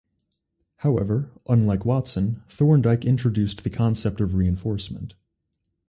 However, unlike Watson, Thorndike introduced the concept of reinforcement.